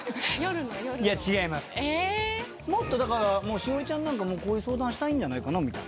栞里ちゃんなんかこういう相談したいんじゃないかなみたいな。